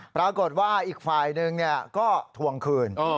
ปรากฏว่าอีกฝ่ายหนึ่งก็ทวงคืน